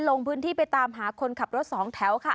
ลงพื้นที่ไปตามหาคนขับรถสองแถว